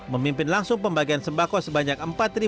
memimpin langsung pembagian sembako sebanyak empat tiga ratus tujuh belas